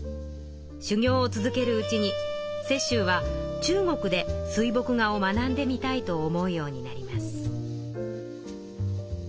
修行を続けるうちに雪舟は中国で水墨画を学んでみたいと思うようになります。